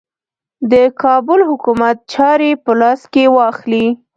د کابل حکومت چاري په لاس کې واخلي.